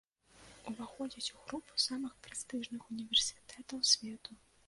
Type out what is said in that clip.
Уваходзіць у групу самых прэстыжных універсітэтаў свету.